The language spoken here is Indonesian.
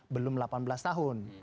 belum delapan belas tahun